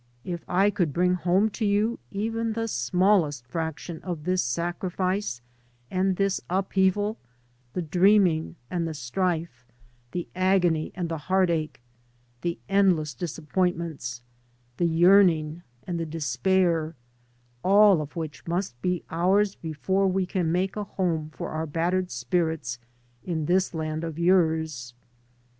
If I could bring home to you even the smallest fraction of this sacrifice and this upheaval, the dreaming and the strife, the agony and the heartache, the endless disappointments, the yearn ing and the despair — ^all of which must be ours before we can make a home for our battered spirits in this land of yours.